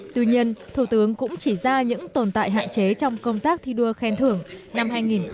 tuy nhiên thủ tướng cũng chỉ ra những tồn tại hạn chế trong công tác thi đua khen thưởng năm hai nghìn một mươi chín